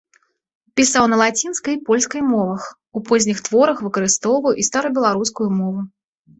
Пісаў на лацінскай і польскай мовах, у позніх творах выкарыстоўваў і старабеларускую мову.